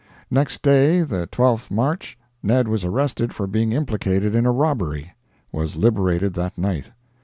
Next day, the 12th March, Ned was arrested for being implicated in a robbery—was liberated that night.